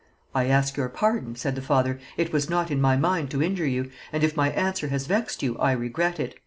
"I ask your pardon," said the father, "it was not in my mind to injure you, and if my answer has vexed you, I regret it."